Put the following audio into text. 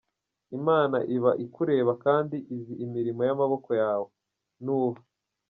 Imana iba ikureba kandi izi imirimo yamaboko yawe, nuba.